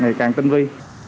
ngày càng tinh vi